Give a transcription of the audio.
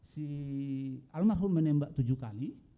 si almarhum menembak tujuh kali